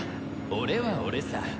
俺は俺さ。